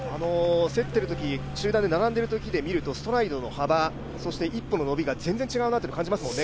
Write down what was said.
競ってるとき、集団で並んでいるときを見るとストライドの幅、一歩の伸びが全然違うなと感じますもんね。